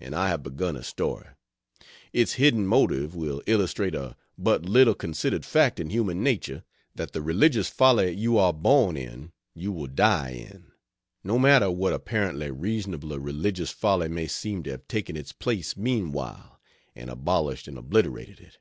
And I have begun a story. Its hidden motive will illustrate a but little considered fact in human nature; that the religious folly you are born in you will die in, no matter what apparently reasonabler religious folly may seem to have taken its place meanwhile, and abolished and obliterated it.